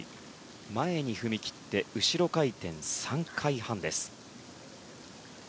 前に踏み切って後ろ回転３回半。